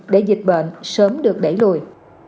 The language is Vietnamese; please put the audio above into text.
để dịch bệnh sớm được đẩy lùi